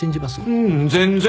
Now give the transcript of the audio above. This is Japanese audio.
ううん全然！